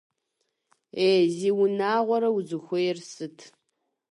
- Е, зи унагъуэрэ, узыхуейр сыт?